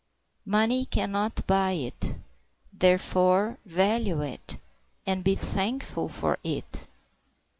Money can not buy it; therefore, value it, and be thankful for it.